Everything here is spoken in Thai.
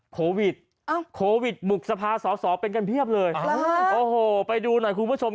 โควิดโควิดบุกสภาสอสอเป็นกันเพียบเลยโอ้โหไปดูหน่อยคุณผู้ชม